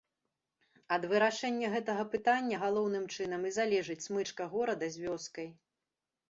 Ад вырашэння гэтага пытання галоўным чынам і залежыць смычка горада з вёскай.